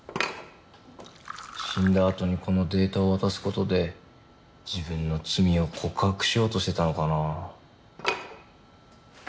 死んだあとにこのデータを渡す事で自分の罪を告白しようとしてたのかな？